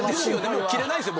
もう着れないですよ